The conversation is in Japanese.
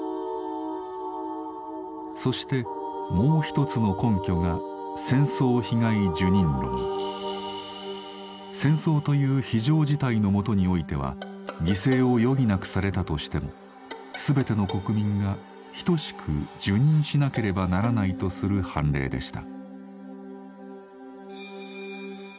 そしてもう一つの根拠が「戦争という非常事態のもとにおいては犠牲を余儀なくされたとしても全ての国民が等しく受忍しなければならない」とする判例でした。